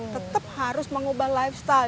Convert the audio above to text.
tetap harus mengubah lifestyle